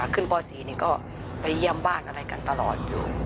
ขึ้นปศรีนี่ก็ไปเยี่ยมบ้านอะไรกันตลอดอยู่